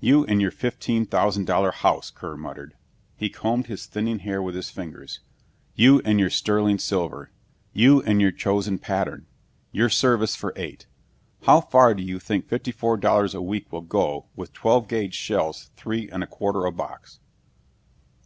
"You and your fifteen thousand dollar house," Kear muttered. He combed his thinning hair with his fingers. "You and your sterling silver. You and your chosen pattern. Your service for eight. How far do you think fifty four dollars a week will go with 12 gauge shells three and a quarter a box?"